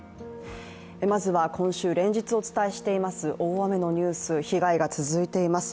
まずは今週連日お伝えしています大雨のニュース、被害が続いています。